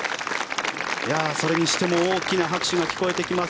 それにしても大きな拍手が聞こえてきます。